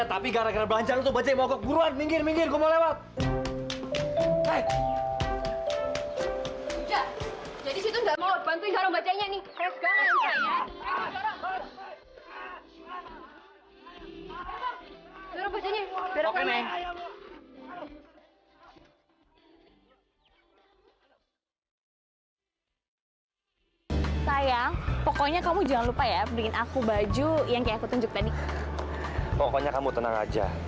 sampai jumpa di video selanjutnya